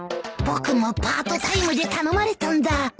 僕もパートタイムで頼まれたんだ